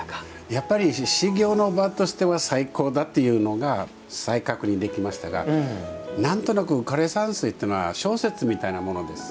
やっぱり修行の場としては最高だというのが再確認できましたが何となく枯山水っていうのは小説みたいなものです。